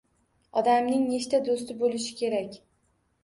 Odamning nechta do‘sti bo‘lishi kerak?